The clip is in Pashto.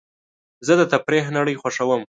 زه د تفریح نړۍ خوښوم.